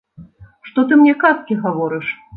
Што ты мне казкі гаворыш?